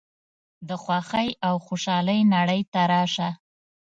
د خوښۍ او خوشحالۍ نړۍ ته راشه.